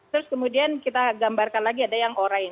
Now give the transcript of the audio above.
terus kemudian kita gambarkan lagi ada yang orange